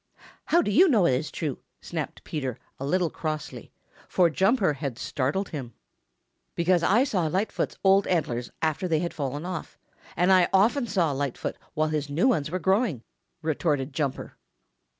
"How do you know it is true?" snapped Peter a little crossly, for Jumper had startled him. "Because I saw Lightfoot's old antlers after they had fallen off, and I often saw Lightfoot while his new ones were growing," retorted Jumper.